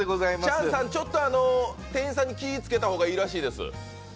チャンさん、ちょっと店員さんに気をつけたほうがいいらしいです。